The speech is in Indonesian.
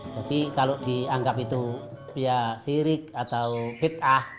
jadi kalau dianggap itu ya sirik atau bid'ah